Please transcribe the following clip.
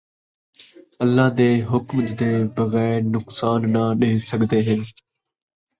اللہ دے حکم دے بغیر نقصان نہ ݙے سڳدے ہَن،